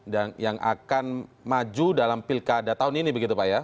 dan yang akan maju dalam pilkada tahun ini begitu pak ya